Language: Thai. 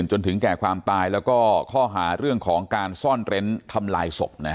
หรือว่าอย่างงี้